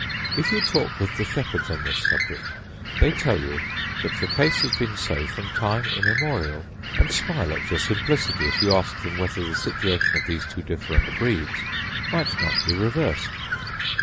If you talk with the shepherds on this subject, they tell you that the case has been so from time immemorial: and smile at your simplicity if you ask them whether the situation of these two different breeds might not be reversed?